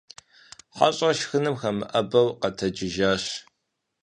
Хьэщӏэр шхыным хэмыӀэбэу къэтэджыжащ.